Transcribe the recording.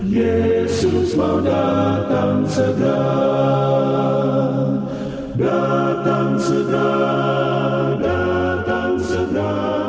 yesus mau datang segera